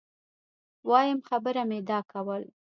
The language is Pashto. وایم خبره مي دا کول